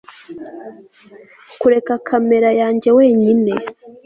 kureka kamera yanjye wenyine